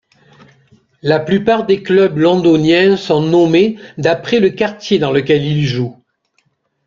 La plupart des clubs londoniens sont nommés d'après le quartier dans lequel ils jouent.